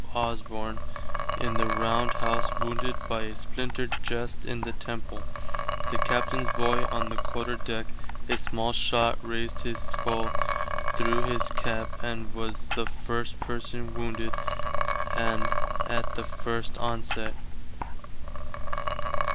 Osborne in the round house wounded by a splinter just in the temple, the Captain's boy on the Quarter Deck a small shott raised his scull through his cap and was the first person wounded and att the first onsett.